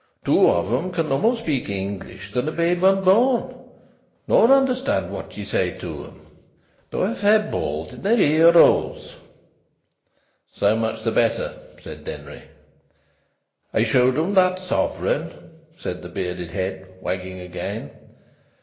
Two of 'em can no more speak English than a babe unborn; no, nor understand what ye say to 'em, though I fair bawled in their ear holes." "So much the better," said Denry. "I showed 'em that sovereign," said the bearded head, wagging again.